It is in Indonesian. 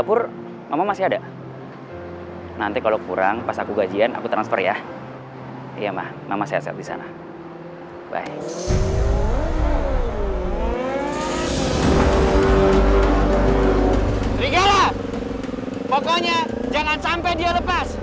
berikan pokoknya jangan sampai dia lepas